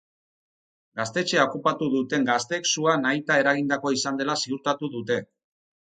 Gaztetxea okupatu duten gazteek sua nahita eragindakoa izan dela ziurtatu dute.